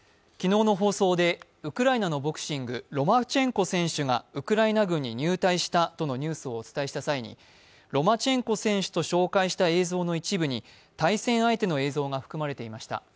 昨日の放送でウクライナのボクシング、ロマチェンコ選手がウクライナ軍に入隊したとのニュースをお伝えした際に、ロマチェンコ選手と紹介した映像の一部に対戦相手の映像が含まれていました。